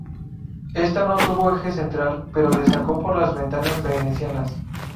Esta no tuvo eje central, pero destacó por las ventanas venecianas.